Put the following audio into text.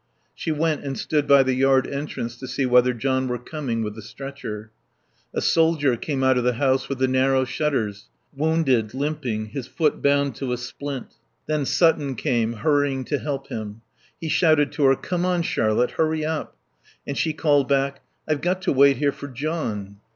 She went and stood by the yard entrance to see whether John were coming with the stretcher. A soldier came out of the house with the narrow shutters, wounded, limping, his foot bound to a splint. Then Sutton came, hurrying to help him. He shouted to her, "Come on, Charlotte, hurry up!" and she called back, "I've got to wait here for John."